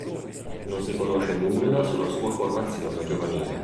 Non si conosce nulla sulla sua formazione giovanile.